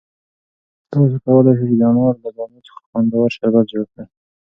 تاسو کولای شئ چې د انار له دانو څخه خوندور شربت جوړ کړئ.